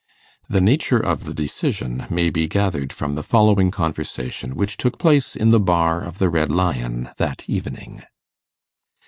The nature of the decision may be gathered from the following conversation which took place in the bar of the Red Lion that evening.